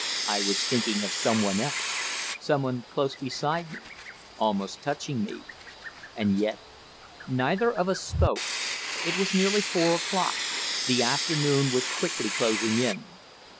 I was thinking of someone else, someone close beside me, almost touching me, and yet Neither of us spoke. It was nearly four o'clock. The afternoon was quickly closing in.